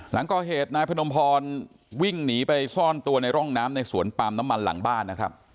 หลังก่อเหตุนายพนมพรวิ่งหนีไปซ่อนตัวในร่องน้ำในสวนปามน้ำมันหลังบ้านนะครับ